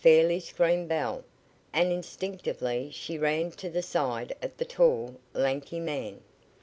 fairly screamed Belle, and instinctively she ran to the side of the tall, lanky man.